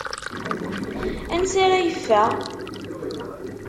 Ansa ara yeffeɣ?